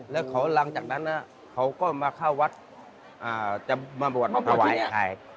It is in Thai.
แล้วหลังจากนั้นเขาก็มาเข้าวัดจะมาประวัติศาสตร์ไอ้ไข่